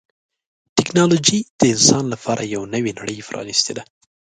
ټکنالوجي د انسان لپاره یوه نوې نړۍ پرانستې ده.